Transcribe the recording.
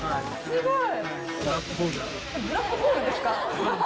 すごい！